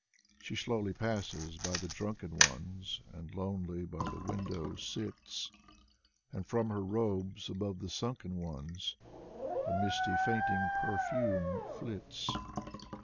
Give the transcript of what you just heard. She slowly passes by the drunken ones And lonely by the window sits; And from her robes, above the sunken ones, A misty fainting perfume flits.